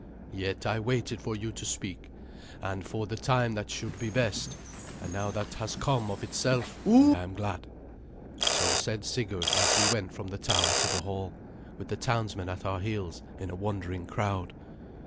Yet I waited for you to speak, and for the time that should be best; and now that has come of itself, and I am glad." So said Sigurd, as we went from the tower to the hall, with the townsmen at our heels in a wondering crowd.